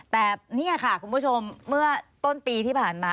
แต่นี่ค่ะคุณผู้ชมเมื่อต้นปีที่ผ่านมา